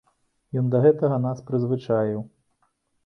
Ён да гэтага нас прызвычаіў.